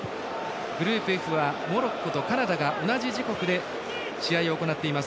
グループＦはモロッコとカナダが同じ時刻で試合を行っています。